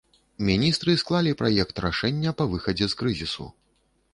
Міністры склалі праект рашэння па выхадзе з крызісу.